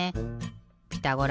「ピタゴラ」